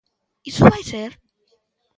Iso vai ser.